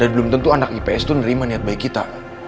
dan belum tentu anak ips tuh nerima niat baik kita